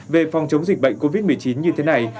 về phòng chống dịch bệnh covid một mươi chín như thế này